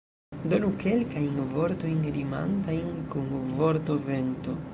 Donu kelkajn vortojn rimantajn kun vorto vento.